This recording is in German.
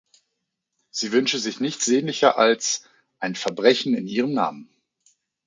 Sie wünsche sich nichts sehnlicher als „ein Verbrechen in ihrem Namen“.